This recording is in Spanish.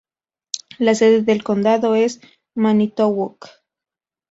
La sede del condado es Manitowoc.